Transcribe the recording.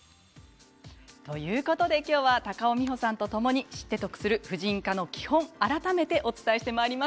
今日は高尾美穂さんとともに知って得する婦人科の基本を改めてお伝えしてまいります。